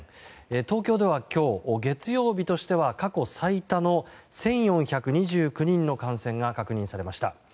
東京では今日月曜日としては過去最多の１４２９人の感染が確認されました。